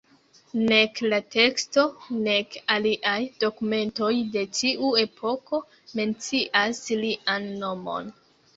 Nek la teksto, nek aliaj dokumentoj de tiu epoko mencias lian nomon.